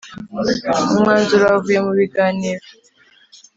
umwanzuro wavuye mu biganiro